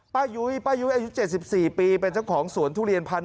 ยุ้ยป้ายุ้ยอายุ๗๔ปีเป็นเจ้าของสวนทุเรียนพันธุ์